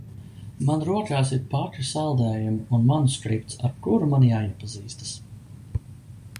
Man rokās ir paka saldējumu un manuskripts, ar kuru man jāiepazīstas.